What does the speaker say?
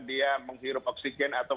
dia menghirup oksigen atau